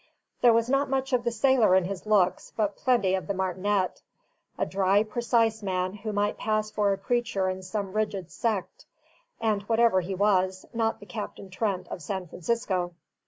There was not much of the sailor in his looks, but plenty of the martinet: a dry, precise man, who might pass for a preacher in some rigid sect; and whatever he was, not the Captain Trent of San Francisco.